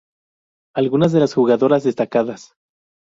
Algunas de las jugadoras destacadas.